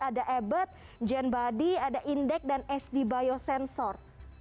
ada ebert gen body ada indek dan sd biosensor